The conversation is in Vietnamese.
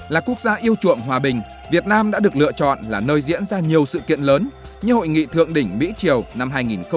là quốc gia yêu chuộng hòa bình việt nam đã được lựa chọn là nơi diễn ra nhiều sự kiện lớn như hội nghị thượng đỉnh mỹ triều năm hai nghìn một mươi tám